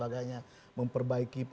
apa yang terjadi